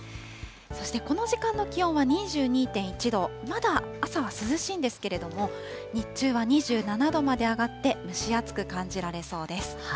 そしてこの時間の気温は２２．１度、まだ朝は涼しいんですけれども、日中は２７度まで上がって、蒸し暑く感じられそうです。